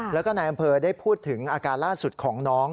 แล้วก็นายอำเภอได้พูดถึงอาการล่าสุดของน้อง